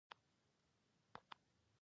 پړانګ د ګرمسیر ځنګلونو اوسېدونکی دی.